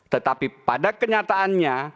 tetapi pada kenyataannya